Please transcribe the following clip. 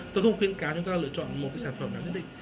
tôi không khuyến cáo chúng ta lựa chọn một cái sản phẩm nào nhất định